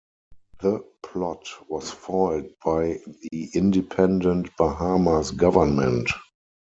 The plot was foiled by the independent Bahamas government.